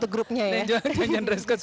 ketikatan mem tweet